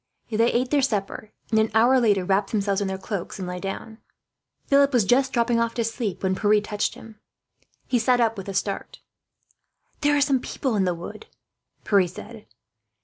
They ate their supper and, an hour later, wrapped themselves in their cloaks and lay down. Philip was just dropping off to sleep, when Pierre touched him. He sat up with a start. "There are some people in the wood," Pierre said.